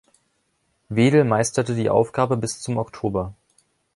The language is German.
Wedel meisterte die Aufgabe bis zum Oktober.